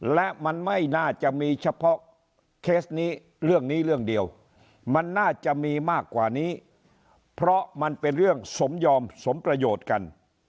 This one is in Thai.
และมันไม่น่าจะมีเฉพาะเคสนี้เรื่องนี้เรื่องเดียวมันน่าจะมีมากกว่านี้เพราะมันเป็นเรื่องสมยอมสมประโยชน์กัน